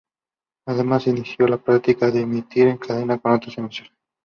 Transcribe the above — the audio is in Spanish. Además, se inició la práctica de emitir en cadena con otras emisoras.